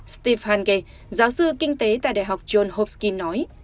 steve hanke giáo sư kinh tế tại đại học john hopkins nói